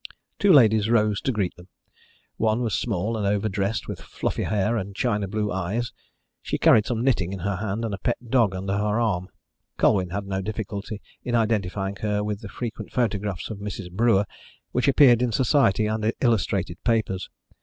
Two ladies rose to greet them. One was small and overdressed, with fluffy hair and China blue eyes. She carried some knitting in her hand, and a pet dog under her arm. Colwyn had no difficulty in identifying her with the frequent photographs of Mrs. Brewer which appeared in Society and illustrated papers.